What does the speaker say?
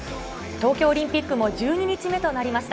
東京オリンピックも１２日目となりました。